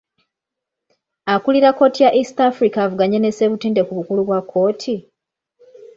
Akulira kkooti ya East Africa avuganye ne Ssebutinde ku bukulu bwa kkooti ?